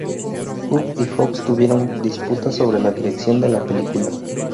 Hood y Fox tuvieron disputas sobre la dirección de la película.